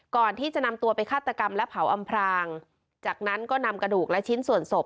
ก่อนที่จะนำตัวไปฆาตกรรมและเผาอำพรางจากนั้นก็นำกระดูกและชิ้นส่วนศพ